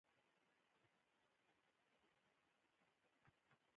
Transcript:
تودوخه د افغان ماشومانو د لوبو یوه جالبه موضوع ده.